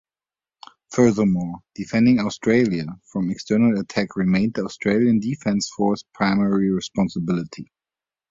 Furthermore, defending Australia from external attack remained the Australian Defence Force primary responsibility.